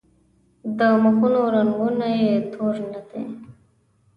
د مخونو رنګونه یې تور نه دي.